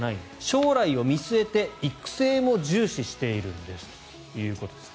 将来を見据えて育成も重視しているんですということです。